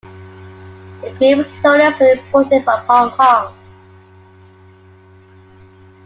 The cream sodas are imported from Hong Kong.